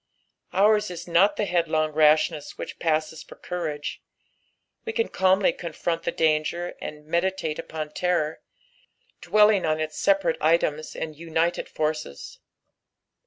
Dura is not the headlong rashness which paaoeo for courage, we ess calmly confront the danger, and meditate upon terror, dwelling on ita separate items and united forces.